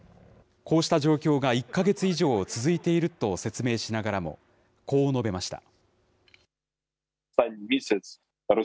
こうした状況が１か月以上続いていると説明しながらも、こう述べました。